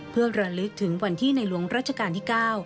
เพื่อระลึกถึงวันที่ในหลวงรัชกาลที่๙